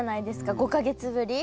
５か月ぶり。